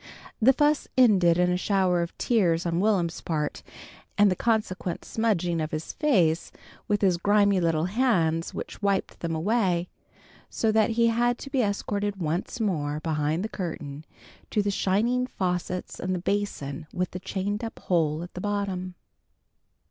The fuss ended in a shower of tears on Will'm's part, and the consequent smudging of his face with his grimy little hands which wiped them away, so that he had to be escorted once more behind the curtain to the shining faucets and the basin with the chained up hole at the bottom.